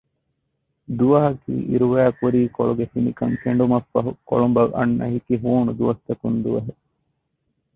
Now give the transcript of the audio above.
ދުވަހަކީ އިރުވައި ކުރީކޮޅުގެ ފިނިކަން ކެނޑުމަށް ފަހު ކޮޅުނބަށް އަންނަ ހިކި ހޫނު ދުވަސްތަކުން ދުވަހެއް